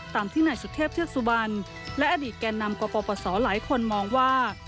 ตามที่นายสุเทพเทือกสุบันและอดีตแก่นำกปศหลายคนมองว่า